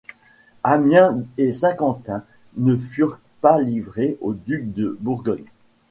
Amiens et Saint-Quentin ne furent pas livrées au duc de Bourgogne.